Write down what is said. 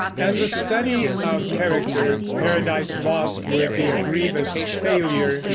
As a study of character Paradise Lost would be a grievous failure.